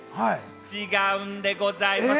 違うんでございます。